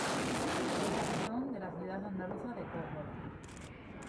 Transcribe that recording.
Ellas son de la ciudad andaluza de Córdoba.